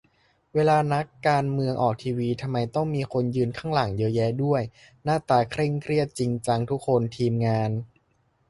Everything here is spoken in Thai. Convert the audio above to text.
เวลานักการเมืองออกทีวี ทำไมต้องมีคนยืนข้างหลังเยอะแยะด้วย หน้าตาเคร่งเครียดจริงจังทุกคน ทีมงาน ?